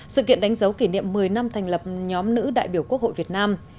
sự kiện đánh dấu kỷ niệm một mươi năm thành lập nhóm nữ đại biểu quốc hội việt nam